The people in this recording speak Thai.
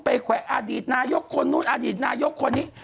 แขวะอดีตนายกคนนู้นอดีตนายกคนนี้